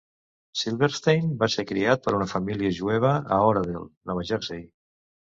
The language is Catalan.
Silverstein va ser criat per una família jueva a Oradell (Nova Jersey).